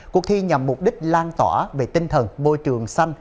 cuộc thi nhằm mục đích lan tỏa về tinh thần môi trường xanh